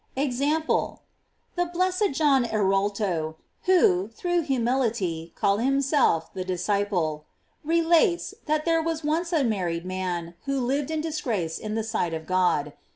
EXAMPLE. The blessed John Erolto, who, through hu mility, called himself the disciple, relates,* that there was once a married man who lived in dis grace in the sight of God.